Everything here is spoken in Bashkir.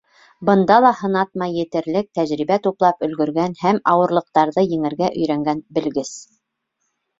Бында ла һынатмай етерлек тәжрибә туплап өлгөргән һәм ауырлыҡтарҙы еңергә өйрәнгән белгес.